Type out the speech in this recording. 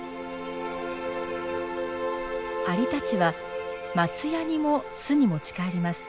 アリたちは松ヤニも巣に持ち帰ります。